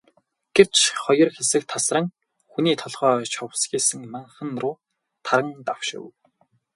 Гэвч хоёр хэсэг тасран, хүний толгой шовсхийсэн манхан руу таран давшив.